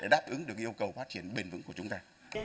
đáp ứng được yêu cầu phát triển bền vững của chúng ta